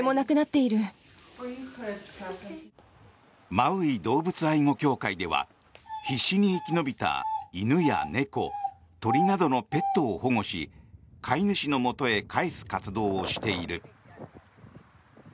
マウイ動物愛護協会では必死に生き延びた犬や猫、鳥などのペットを保護し飼い主のもとへ帰す活動をしている。